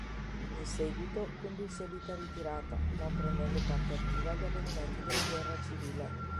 In sèguito condusse vita ritirata, non prendendo parte attiva agli avvenimenti della guerra civile.